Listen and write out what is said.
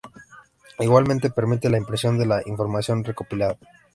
Igualmente permite la impresión de la información recopilada.